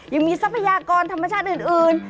ยังมีศัพยากรธรรมชาติอื่น